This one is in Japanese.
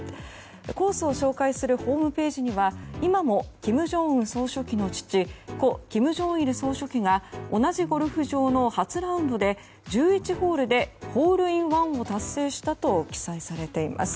コースを紹介するホームページには、今も金正恩総書記の父故・金正日総書記が同じゴルフ場の初ラウンドで１１ホールでホールインワンと達成したと記載されています。